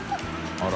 あら。